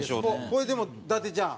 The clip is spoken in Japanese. これでも伊達ちゃん